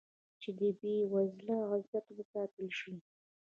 چې د بې وزله عزت وساتل شي.